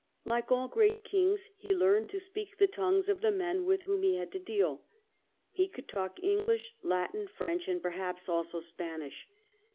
Like all great kings he learned to speak the tongues of the men with whom he had to deal. He could talk English, Latin, and French, and perhaps also Spanish.